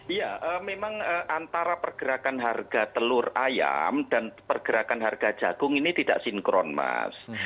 iya memang antara pergerakan harga telur ayam dan pergerakan harga jagung ini tidak sinkron mas